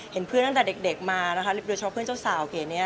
เห็นเพื่อนตั้งแต่เด็กมานะคะโดยเฉพาะเพื่อนเจ้าสาวเก๋นี้